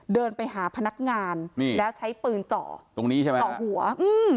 เดินไปหาพนักงานนี่แล้วใช้ปืนเจาะตรงนี้ใช่ไหมเจาะหัวอืม